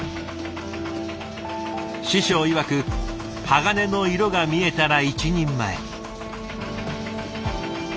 師匠いわく鋼の色が見えたら一人前。